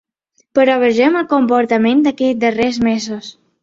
Però vegem el comportament d’aquests darrers mesos.